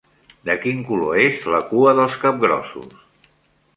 De quin color és la cua dels capgrossos?